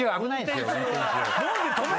何で⁉止めて！